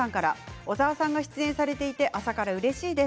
小沢さんが出演されていて朝からうれしいです。